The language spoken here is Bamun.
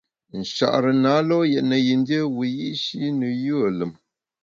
Nchare na lo’ yètne yin dié wiyi’shi ne yùe lùm.